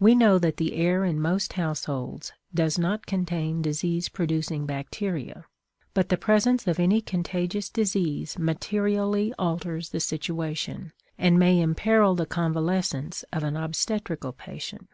We know that the air in most households does not contain disease producing bacteria; but the presence of any contagious disease materially alters the situation, and may imperil the convalescence of an obstetrical patient.